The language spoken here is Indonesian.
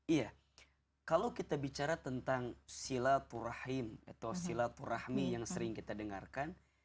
iya kalau kita bicara tentang silaturahim atau silaturahmi yang sering kita dengarkan